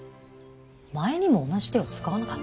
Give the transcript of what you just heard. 前にも同じ手を使わなかった？